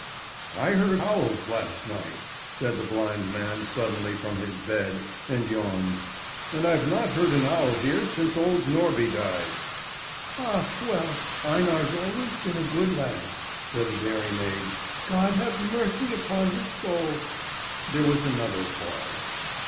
"I heard owls last night," said the blind man suddenly from his bed, and yawned. "And I've not heard an owl here since old Norby died." "Ah, well, Einar's always been a good lad," said the dairymaid. "God have mercy upon his soul!" There was another pause.